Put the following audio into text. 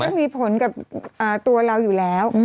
มันมีผลกับตัวเราอยู่แล้ว